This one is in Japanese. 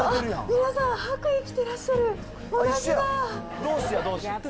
皆さん、白衣着てらっしゃる。